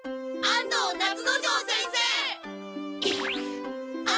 安藤夏之丞先生！